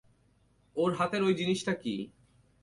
ওর হাতের ঐ জিনিসটা কী?